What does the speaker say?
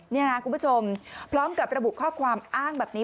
นี่นะคุณผู้ชมพร้อมกับระบุข้อความอ้างแบบนี้